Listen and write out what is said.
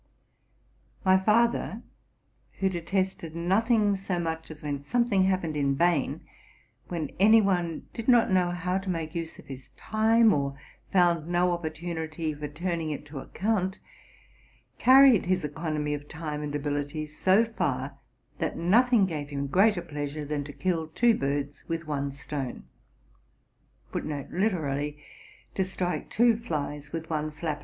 My father, who detested nothing so much as when some thing happened in yain, when any one did not know how to make use of his time, or found no opportunity for turning it to account, carried his economy of time and abilities so far, that nothing gave him greater pleasure than to kill two birds with one stone.